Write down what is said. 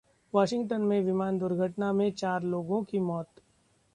Washington में विमान दुर्घटना में चार लोगों की मौत